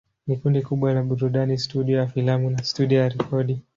Ni kundi kubwa la burudani, studio ya filamu na studio ya rekodi.